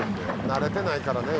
慣れてないからね。